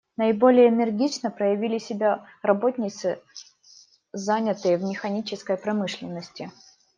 Наиболее энергично проявили себя работницы, занятые в механической промышленности.